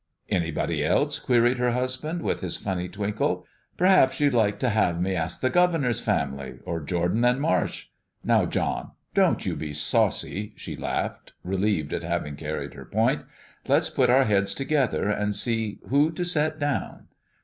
"Anybody else?" queried her husband, with his funny twinkle. "P'raps you'd like to have me ask the governor's family, or Jordan & Marsh!" "Now, John, don't you be saucy," she laughed, relieved at having carried her point. "Let's put our heads together, and see who to set down.